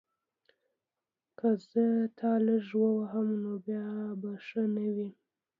که زه تا لږ ووهم نو بیا به ښه نه وي